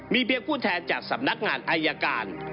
เพียงผู้แทนจากสำนักงานอายการ